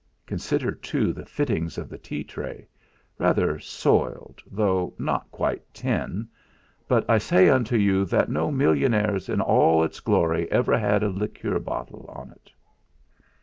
Consider, too, the fittings of the tea tray, rather soiled, though not quite tin, but I say unto you that no millionaire's in all its glory ever had a liqueur bottle on it.'